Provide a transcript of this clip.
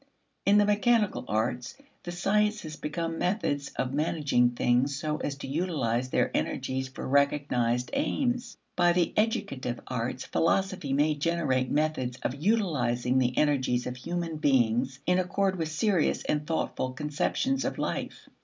In the mechanical arts, the sciences become methods of managing things so as to utilize their energies for recognized aims. By the educative arts philosophy may generate methods of utilizing the energies of human beings in accord with serious and thoughtful conceptions of life.